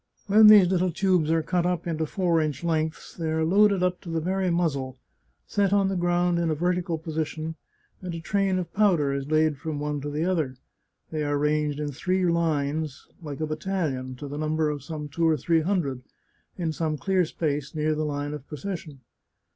When these little tubes are cut '74 The Chartreuse of Parma into four inch lengths, they are loaded up to the very muzzle, set on the ground in a vertical position, and a train of pow der is laid from one to the other ; they are ranged in three lines, like a battalion, to the number of some two or three hundred, in some clear space near the line of procession.